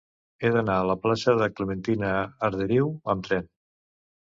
He d'anar a la plaça de Clementina Arderiu amb tren.